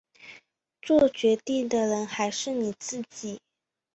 作决定的人还是你自己